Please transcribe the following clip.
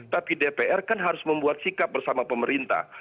tapi dpr kan harus membuat sikap bersama pemerintah